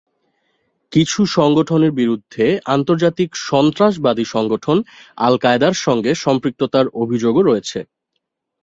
কিছু সংগঠনের বিরুদ্ধে আন্তর্জাতিক সন্ত্রাসবাদী সংগঠন আল-কায়েদার সঙ্গে সম্পৃক্ততার অভিযোগও রয়েছে।